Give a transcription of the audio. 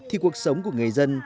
thì cuộc sống của người dân